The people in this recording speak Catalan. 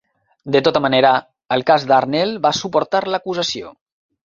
De tota manera, al cas Darnell va suportar l'acusació.